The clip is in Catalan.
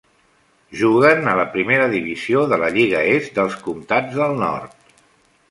Juguen a la Primera Divisió de la Lliga Est dels Comtats del Nord.